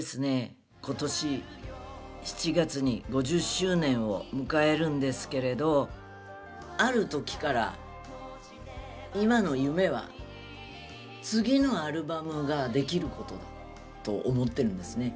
今年７月に５０周年を迎えるんですけれどある時から今の夢は次のアルバムができることだと思ってるんですね。